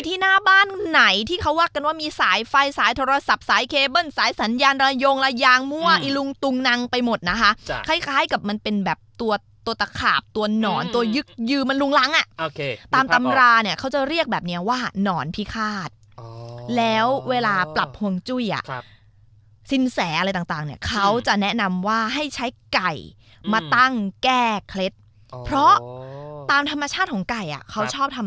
แต่ทีนี้มันมีอยู่คนหนึ่งเขาอยากจะได้ม้าที่มันตัวโตอ่ะ